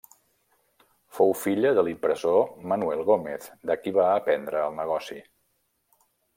Fou filla de l'impressor Manuel Gómez, de qui va aprendre el negoci.